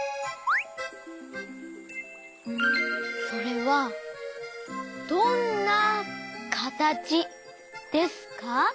それはどんなかたちですか？